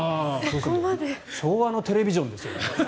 昭和のテレビジョンですよ。